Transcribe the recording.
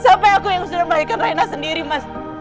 sampai aku yang sudah membaikkan rena sendiri mas